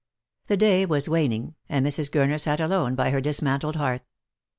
The day was waning, and Mrs. Gurner sat alone by her dis mantled hearth.